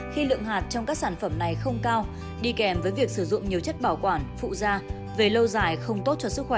khi lượng hạt trong các sản phẩm này không cao đi kèm với việc sử dụng nhiều chất bảo quản phụ da về lâu dài không tốt cho sức khỏe